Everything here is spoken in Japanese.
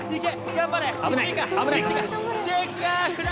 頑張れ！